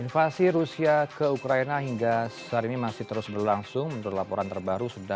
invasi rusia ke ukraina hingga saat ini masih terus berlangsung menurut laporan terbaru sudah